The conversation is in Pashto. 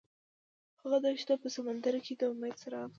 هغه د دښته په سمندر کې د امید څراغ ولید.